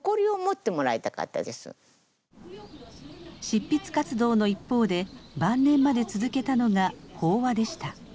執筆活動の一方で晩年まで続けたのが法話でした。